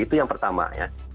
itu yang pertama ya